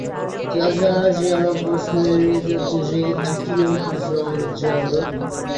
তাছাড়া সে আমার প্রশ্ন এড়িয়ে যাচ্ছে, সেক্ষেত্রে কিভাবে তার সম্বন্ধে জানব?